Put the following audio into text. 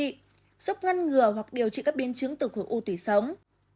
giúp ngăn ngừa hoặc điều trị các biên chứng từ khối u tùy sống